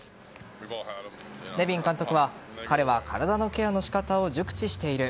ネビン監督は彼は体のケアの仕方を熟知している。